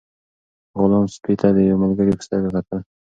غلام سپي ته د یو ملګري په سترګه کتل.